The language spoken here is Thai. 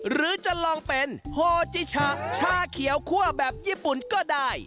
หรือจะลองเป็นโฮจิชะชาเขียวคั่วแบบญี่ปุ่นก็ได้